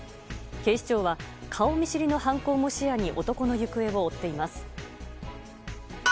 警視庁は顔見知りの犯行も視野に男の行方を追っています。